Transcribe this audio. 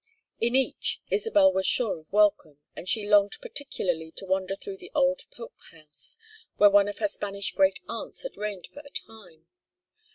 In each, Isabel was sure of welcome, and she longed particularly to wander through the old Polk house, where one of her Spanish great aunts had reigned for a time.